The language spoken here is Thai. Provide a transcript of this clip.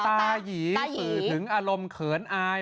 ตายีสื่อถึงอารมณ์เขินอาย